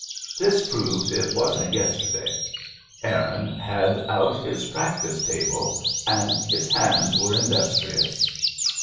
This proved it wasn't yesterday. Aaron had out his practice table, and his hands were industrious.